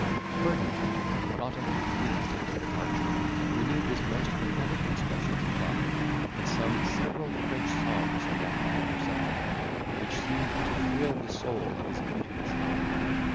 Ferdinand, not a little pleased at their departure, renewed his most pathetic expressions of love, and sung several French songs on that tender subject, which seemed to thrill to the soul of his beauteous Helen.